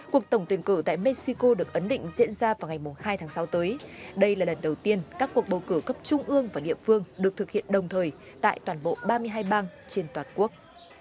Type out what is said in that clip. cuộc tổng tuyển cử tại mexico được ấn định diễn ra vào ngày hai tháng sáu tới đây là lần đầu tiên các cuộc bầu cử cấp trung ương và địa phương được thực hiện đồng thời tại toàn bộ ba mươi hai bang trên toàn quốc